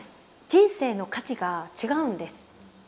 人生の価値が違うんです。